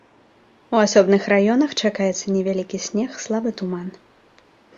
У асобных раёнах чакаецца невялікі снег, слабы туман.